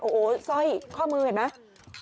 โอ้ซอยข้อมือเห็นไหม